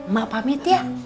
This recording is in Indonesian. mak pamit ya